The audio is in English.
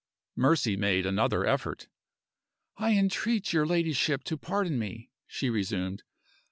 Mercy made another effort. "I entreat your ladyship to pardon me," she resumed.